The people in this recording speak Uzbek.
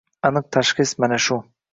Aniq tashxis mana shu.